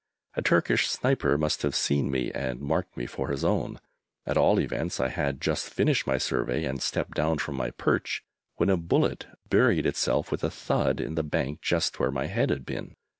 A Turkish sniper must have seen me and marked me for his own. At all events I had just finished my survey, and stepped down from my perch, when a bullet buried itself with a thud in the bank just where my head had been!